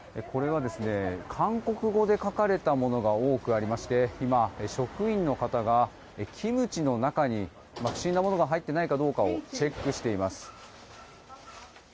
韓国語で書かれたものが多くありまして今、職員の方がキムチの中に不審なものが入っていないかチェックしています。